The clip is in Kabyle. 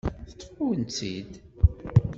Teṭṭef-awen-tt-id.